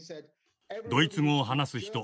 ドイツ語を話す人